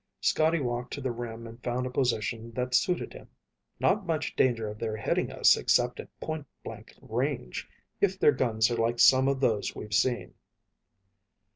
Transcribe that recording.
Scotty walked to the rim and found a position that suited him. "Not much danger of their hitting us except at point blank range, if their guns are like some of those we've seen."